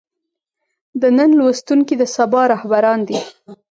د نن لوستونکي د سبا رهبران دي.